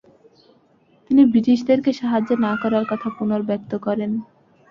তিনি ব্রিটিশদেরকে সাহায্য না করার কথা পুনর্ব্যক্ত করেন।